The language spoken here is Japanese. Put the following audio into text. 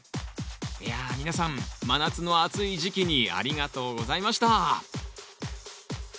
いや皆さん真夏の暑い時期にありがとうございました